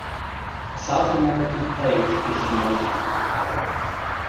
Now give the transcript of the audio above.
The South American Plate is in motion.